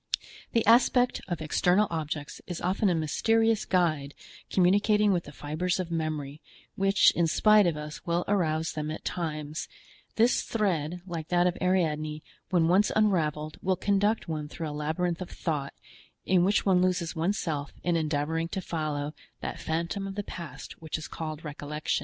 The aspect of external objects is often a mysterious guide communicating with the fibres of memory, which in spite of us will arouse them at times; this thread, like that of Ariadne, when once unraveled will conduct one through a labyrinth of thought, in which one loses one's self in endeavoring to follow that phantom of the past which is called recollection.